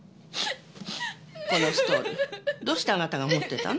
このストールどうしてあなたが持ってたの？